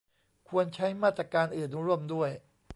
ควรใช้มาตรการอื่นร่วมด้วย